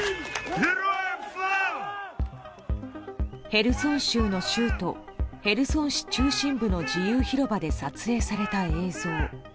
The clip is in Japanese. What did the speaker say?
ヘルソン州の州都ヘルソン市中心部の自由広場で撮影された映像。